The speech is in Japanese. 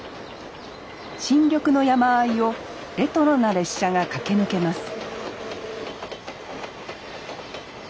新緑の山あいをレトロな列車が駆け抜けます